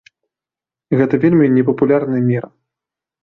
Гэта вельмі непапулярная мера!